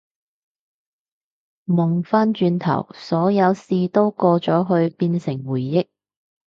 望返轉頭，所有事都過咗去變成回憶